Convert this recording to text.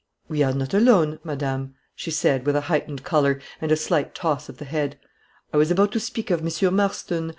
"We are not alone madame," she said, with a heightened color, and a slight toss of the head. "I was about to speak of Mr. Marston.